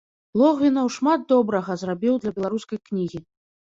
Логвінаў шмат добрага зрабіў для беларускай кнігі.